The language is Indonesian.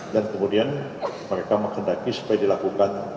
dan kemudian mereka menghendaki supaya dilakukan